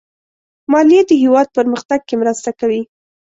مالیه د هېواد پرمختګ کې مرسته کوي.